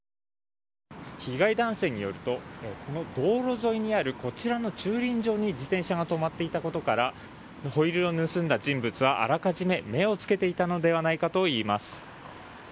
被害男性によると道路沿いにあるこちらの駐輪場に自転車が止まっていたことからホイールを盗んだ人物はあらかじめ目をつけていたのではないかといいます。